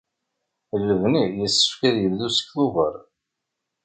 Lebni yessefk ad yebdu deg Tubeṛ.